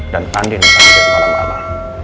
dan andin akan jadi malam malam